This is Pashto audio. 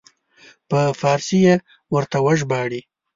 په فارسي یې ورته وژباړي.